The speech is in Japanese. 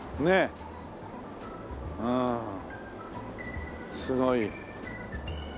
うんすごい。